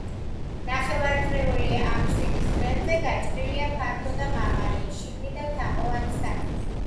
ნახევარწრიული აფსიდის ღერძზე გაჭრილია ფართო და მაღალი, შიგნიდან თაღოვანი სარკმელი.